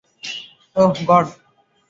ওহ god!